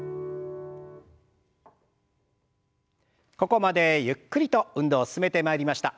ここまでゆっくりと運動進めてまいりました。